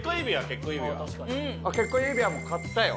結婚指輪も買ったよ。